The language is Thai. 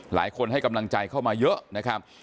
หลายคนให้กำลังใจเข้ามาเยอะนะครับ